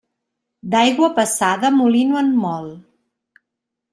D'aigua passada molí no en mol.